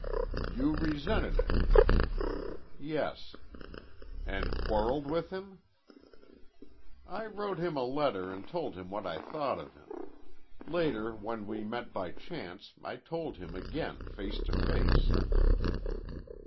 "You resented it." "Yes." "And quarreled with him?" "I wrote him a letter an' told him what I thought of him. Later, when we met by chance, I told him again face to face."